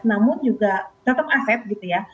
namun juga tetap aset gitu ya